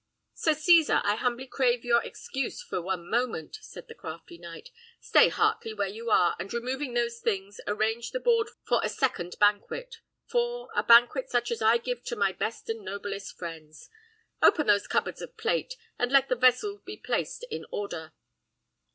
"Sir Cesar, I humbly crave your excuse for one moment," said the crafty knight. "Stay, Heartley, where you are, and removing those things, arrange the board for a second banquet: for a banquet such as I give to my best and noblest friends. Open those cupboards of plate, and let the vessels be placed in order."